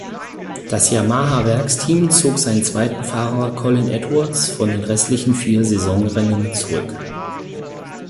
Das Yamaha-Werksteam zog seinen zweiten Fahrer Colin Edwards von den restlichen vier Saisonrennen zurück.